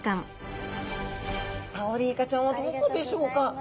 アオリイカちゃんはどこでしょうか？